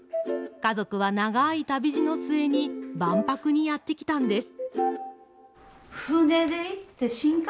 家族は長い旅路の末に、万博にやって来たんです。